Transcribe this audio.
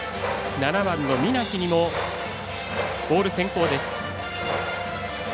７番の三奈木にもボール先行です。